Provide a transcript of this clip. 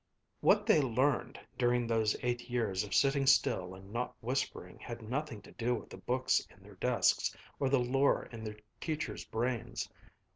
What they learned during those eight years of sitting still and not whispering had nothing to do with the books in their desks or the lore in their teachers' brains.